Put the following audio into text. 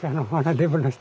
デブの人？